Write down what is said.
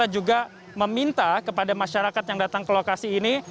yang ketiga pihak dari pemprov dki jakarta juga meminta kepada masyarakat yang datang ke lokasi ini